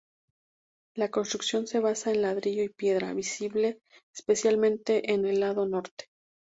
La construcción se basa en ladrillo y piedra, visible especialmente en el lado norte.